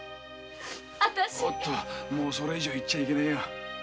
おっともうそれ以上言っちゃいけねぇよ。